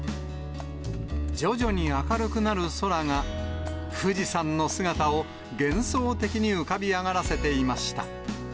徐々に明るくなる空が、富士山の姿を幻想的に浮かび上がらせていました。